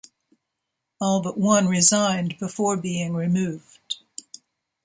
All but one resigned before being removed.